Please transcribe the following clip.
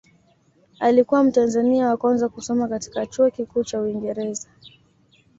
Alikuwa mtanzania wa kwanza kusoma katika chuo kikuu cha Uingereza